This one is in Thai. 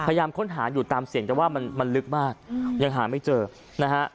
พยายามค้นหาอยู่ตามเสี่ยงแต่ว่ามันมันลึกมากยังหาไม่เจอนะฮะ